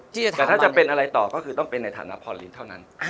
แต่ถ้าจะเป็นอะไรต่อก็คือต้องเป็นในฐานะพอลิ้นเท่านั้น